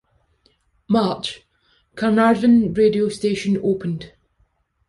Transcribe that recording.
March: Carnarvon Radio station opened.